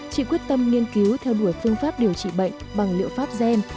chị quyết tâm nghiên cứu theo đuổi phương pháp điều trị bệnh bằng liệu pháp gen